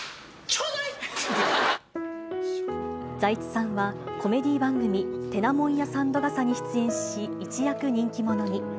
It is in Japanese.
財津さんはコメディー番組、てなもんや三度笠に出演し、一躍人気者に。